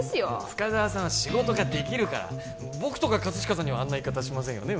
深沢さんは仕事ができるから僕とか葛飾さんにはあんな言い方しませんよね